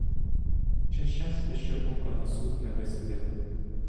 Ще щастя, що ока на сук не висадив.